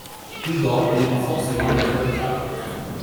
Une dôme n'est pas forcément une cathédrale.